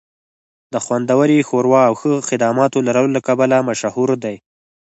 د خوندورې ښوروا او ښه خدماتو لرلو له کبله مشهور دی